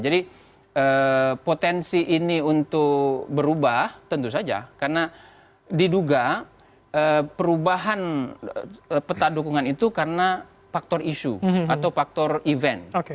jadi potensi ini untuk berubah tentu saja karena diduga perubahan peta dukungan itu karena faktor isu atau faktor event